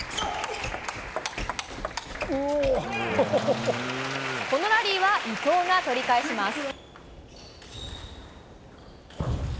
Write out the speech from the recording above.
このラリーは伊藤が取り返します。